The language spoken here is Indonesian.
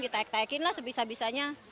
ditaik taikin lah sebisa bisanya